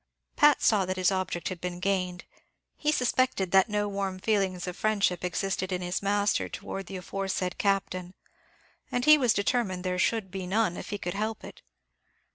Pat saw that his object had been gained; he suspected that no warm feelings of friendship existed in his master towards the aforesaid Captain, and he was determined there should be none if he could help it.